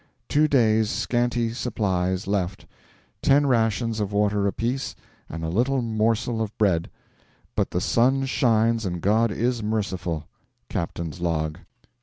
Two days' scanty supplies left ten rations of water apiece and a little morsel of bread. BUT THE SUN SHINES AND GOD IS MERCIFUL. Captain's Log.